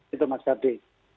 itu mas herdi